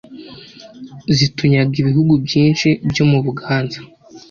zitunyaga ibihugu byinshi byo mu Buganza